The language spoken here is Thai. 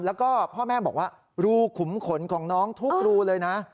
แล้วก็พ่อแม่บอกว่ารูขุมขนของน้องทุกรูเลยนะ